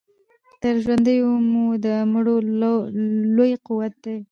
تر ژوندیو مو د مړو لوی قوت دی